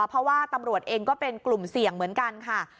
เพราะว่าตำรวจเองก็เป็นกลุ่มเสี่ยงเหมือนกันค่ะ